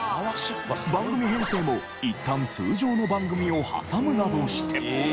番組編成もいったん通常の番組を挟むなどして。